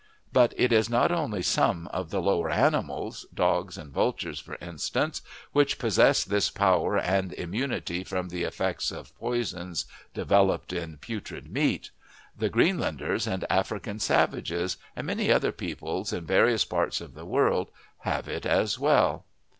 But it is not only some of the lower animals dogs and vultures, for instance which possess this power and immunity from the effects of poisons developed in putrid meat; the Greenlanders and African savages, and many other peoples in various parts of the world, have it as well.